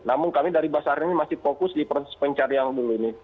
namun kami dari basar ini masih fokus di proses pencarian dulu ini